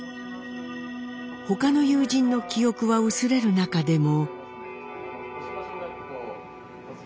他の友人の記憶は薄れる中でも。